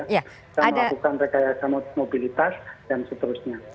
kita melakukan rekayasa mobilitas dan seterusnya